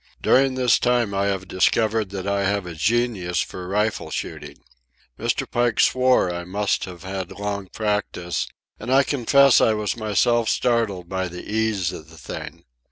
During this time I have discovered that I have a genius for rifle shooting. Mr. Pike swore I must have had long practice; and I confess I was myself startled by the ease of the thing.